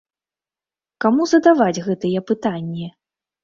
Каму задаваць гэтыя пытанні?